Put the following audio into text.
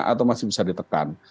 atau masih bisa ditekan